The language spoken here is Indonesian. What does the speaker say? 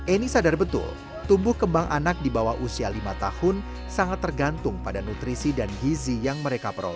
eni sadar betul tumbuh kembang anak di bawah usia lima tahun sangat tergantung pada nutrisi dan gizi yang mereka peroleh